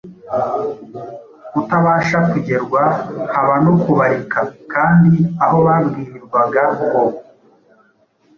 utabasha kugerwa haba no kubarika; kandi aho babwirirwaga ngo